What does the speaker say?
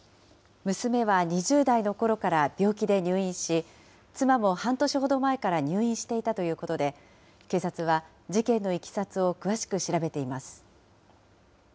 娘は２０代のころから病気で入院し、妻も半年ほど前から入院していたということで、警察は事件のいきさつを詳しく調べています。